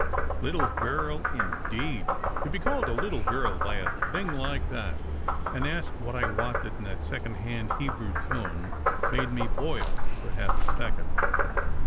Little girl, indeed! To be called a "little girl" by a thing like that, and asked what I wanted in that second hand Hebrew tone, made me boil for half a second.